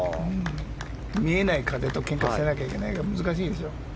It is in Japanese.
見えない風とけんかしなきゃいけないから難しいですよ。